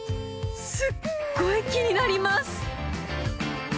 すっごい気になります。